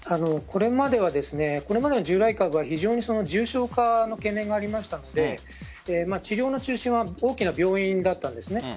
これまでの従来株は非常に重症化の懸念がありましたので治療の中心は大きな病院だったんです。